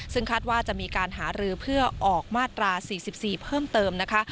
ซึ่งคาดว่าจะมีการหารือเพื่อออกมาตรา๔๔เพิ่มเติมนะคะ